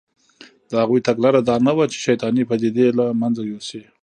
د هغوی تګلاره دا نه وه چې شیطانې پدیدې له منځه یوسي